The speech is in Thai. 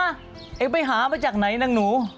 เองไปหามาจากไหนนางหนู